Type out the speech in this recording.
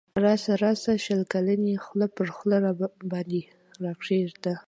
راسه راسه شل کلنی خوله پر خوله باندی را کښېږده